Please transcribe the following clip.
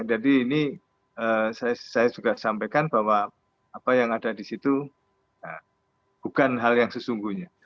jadi ini saya juga sampaikan bahwa apa yang ada di situ bukan hal yang sesungguhnya